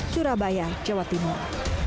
surabaya jawa timur